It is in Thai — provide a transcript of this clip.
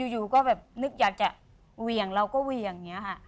อยู่ก็แบบนึกอยากจะเหวี่ยงเราก็เหวี่ยง